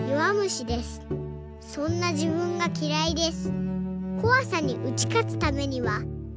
そんなじぶんがきらいです」